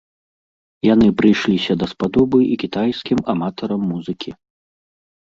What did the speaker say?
Яны прыйшліся даспадобы і кітайскім аматарам музыкі.